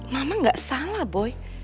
mama gak salah boy